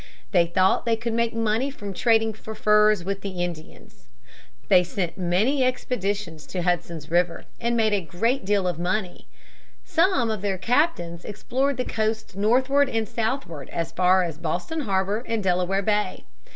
They thought that they could make money from trading for furs with the Indians. They sent many expeditions to Hudson's River, and made a great deal of money. Some of their captains explored the coast northward and southward as far as Boston harbor and Delaware Bay.